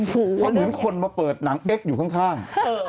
เพราะเหมือนคนมาเปิดหนังเอ็กซ์อยู่ข้าง